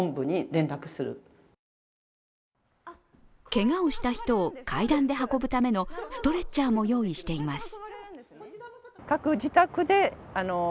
けがをした人を階段で運ぶためのストレッチャーも用意しています。